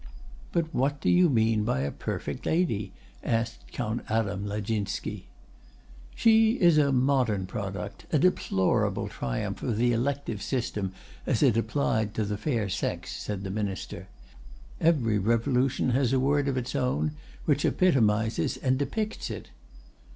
"But what do you mean by a 'perfect lady'?" asked Count Adam Laginski. "She is a modern product, a deplorable triumph of the elective system as applied to the fair sex," said the Minister. "Every revolution has a word of its own which epitomizes and depicts it."